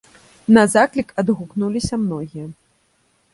На заклік адгукнуліся многія.